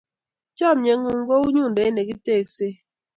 Chomye ng'ung' kou nyudoit ne kiteksei.